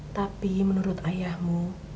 tapi menurut ayahmu